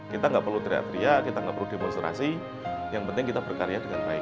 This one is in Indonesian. kita tidak perlu triadria kita tidak perlu demonstrasi yang penting kita berkarya dengan baik